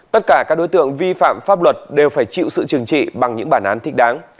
tất cả các đối tượng vi phạm pháp luật đều phải chịu sự trừng trị bằng những bản án thích đáng